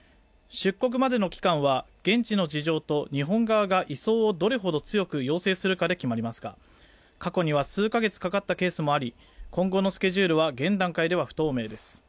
出国までの期間は現地の事情と日本側が移送をどれほど強く要請するかで決まりますが、過去には数か月かかったケースもあり今後のスケジュールは現段階では不透明です。